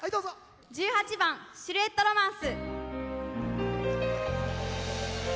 １８番「シルエット・ロマンス」。